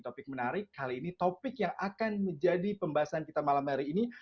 topik menarik kali ini topik yang akan menjadi pembahasan kita malam hari ini